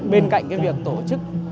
bên cạnh việc tổ chức